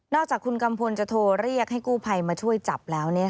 นอกจากคุณกัมพลจะโทรเรียกให้กู้ภัยมาช่วยจับแล้วเนี่ยค่ะ